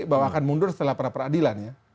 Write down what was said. bahwa akan mundur setelah prapradilannya